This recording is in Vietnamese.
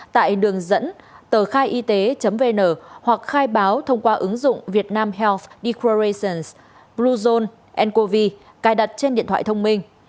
tại đường dẫn tờkhaiyt vn hoặc khai báo thông qua ứng dụng vietnam health declarations blue zone and covid cài đặt trên điện thoại thông minh